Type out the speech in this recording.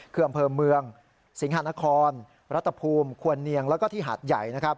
คืออำเภอเมืองสิงหานครรัฐภูมิควรเนียงแล้วก็ที่หาดใหญ่นะครับ